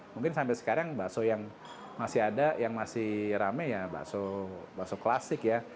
mungkin sampai sekarang bakso yang masih ada yang masih rame ya bakso klasik ya